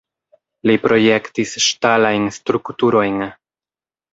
Li projektis ŝtalajn strukturojn.